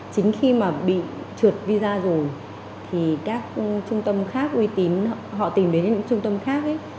chính khi mà bị trượt visa rồi thì các trung tâm khác uy tín họ tìm đến những trung tâm khác ấy